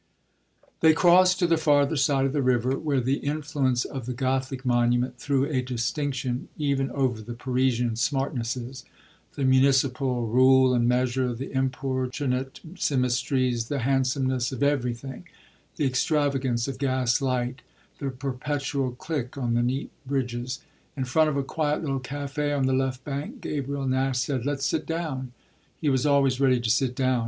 They crossed to the farther side of the river, where the influence of the Gothic monument threw a distinction even over the Parisian smartnesses the municipal rule and measure, the importunate symmetries, the "handsomeness" of everything, the extravagance of gaslight, the perpetual click on the neat bridges. In front of a quiet little café on the left bank Gabriel Nash said, "Let's sit down" he was always ready to sit down.